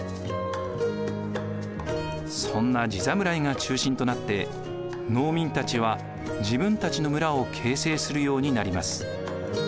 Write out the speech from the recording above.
そんな地侍が中心となって農民たちは自分たちの村を形成するようになります。